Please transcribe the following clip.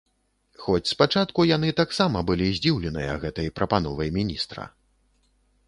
Хоць спачатку яны таксама былі здзіўленыя гэтай прапановай міністра.